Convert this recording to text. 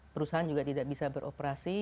perusahaan juga tidak bisa beroperasi